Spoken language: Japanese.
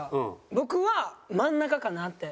僕は真ん中かなって。